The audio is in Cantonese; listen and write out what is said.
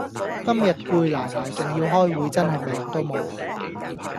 今日攰賴賴仲要開會真係命都無